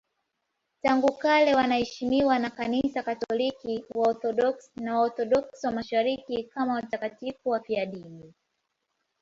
Tangu kale wanaheshimiwa na Kanisa Katoliki, Waorthodoksi na Waorthodoksi wa Mashariki kama watakatifu wafiadini.